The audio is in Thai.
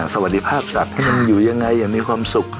สวัสดีภาพสัตว์ให้มันอยู่ยังไงอย่างมีความสุข